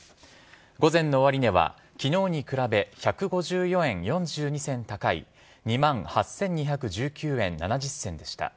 午前の終値は昨日に比べ１５４円４２銭高い２万８２１９円７０銭でした。